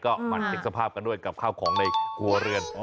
ก็หมั่นเช็คสภาพกันด้วยกับข้าวของในครัวเรือน